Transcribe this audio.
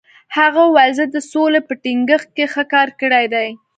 هغه وویل، زه د سولې په ټینګښت کې ښه کار کړی دی.